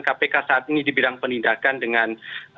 kpk saat ini di bidang penindakan dengan